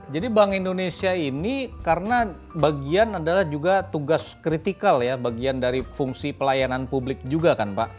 jadi bank indonesia ini karena bagian adalah juga tugas kritikal ya bagian dari fungsi pelayanan publik juga kan pak